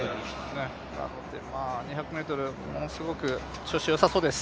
なので、２００ｍものすごく調子よさそうです。